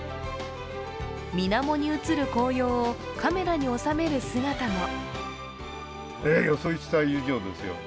みなもに映る紅葉をカメラに収める姿も。